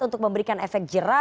untuk memberikan efek jera